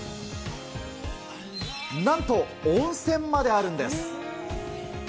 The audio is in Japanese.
なんと温泉まであるんです。